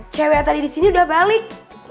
cewek yang tadi disini udah balik